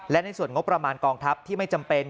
และในส่วนงบประมาณกองทัพที่ไม่จำเป็น